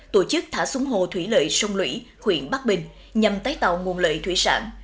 tổ chức thả xuống hồ thủy lợi sông lũy huyện bắc bình nhằm tái tạo nguồn lợi thủy sản